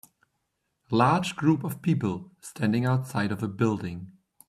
Large group of people standing outside of a building.